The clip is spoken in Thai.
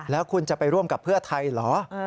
แล้วคุณจะไปร่วมกับเพื่อไทยเหรอ